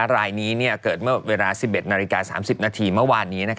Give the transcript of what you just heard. รายนี้เกิดเมื่อเวลา๑๑นาฬิกา๓๐นาทีเมื่อวานนี้